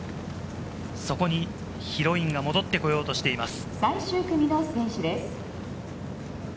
そこにヒロインが戻ってこようとしています。